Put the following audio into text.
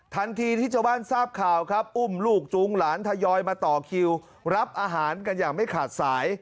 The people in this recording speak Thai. ทันทีที่ชาวบ้านทราบข่าวครับอุ้มลูกจูงหลานทยอยมาต่อคิวรับอาหารกันอย่างไม่ขาดสาย